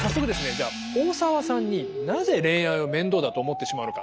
じゃあ大澤さんになぜ恋愛をめんどうだと思ってしまうのか